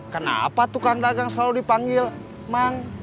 kenapa tukang dagang selalu dipanggil mang